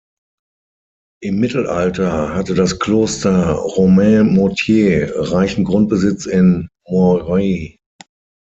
Im Mittelalter hatte das Kloster Romainmôtier reichen Grundbesitz in Moiry.